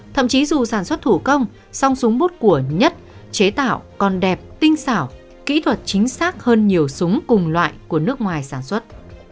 thậm chí dù sản xuất thủ công song súng bút của nhất chế tạo còn đẹp tinh xảo kỹ thuật chính xác hơn nhiều súng cùng loại của nước ngoài sản xuất